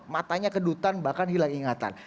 matanya kedutan bahkan hilang ingatan